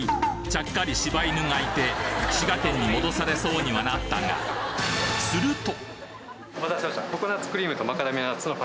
ちゃっかり柴犬がいて滋賀県に戻されそうにはなったがお待たせしました。